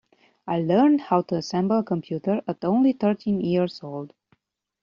I learned how to assemble a computer at only thirteen years old.